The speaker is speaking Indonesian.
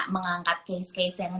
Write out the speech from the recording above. mengangkat case case yang